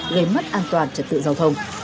gây mất an toàn trật tự giao thông